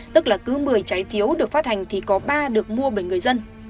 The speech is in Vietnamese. tức là cứ một mươi trái phiếu được phát hành thì có ba được mua bởi người dân